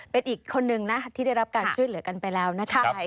เป็นอีกคนนึงนะที่ได้รับการช่วยเหลือกันไปแล้วนะคะ